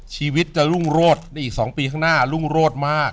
ชีวิตจะรุ่งโรดในอีก๒ปีข้างหน้ารุ่งโรดมาก